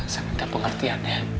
saya minta pengertian ya